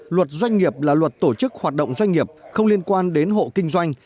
luật doanh nghiệp là luật tổ chức hoạt động doanh nghiệp không liên quan đến hộ kinh doanh